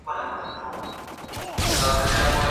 ټولنیز اصول د نظم بنسټ جوړوي.